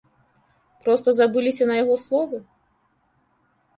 Проста забыліся на яго словы?